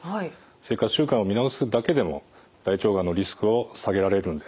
生活習慣を見直すだけでも大腸がんのリスクを下げられるんです。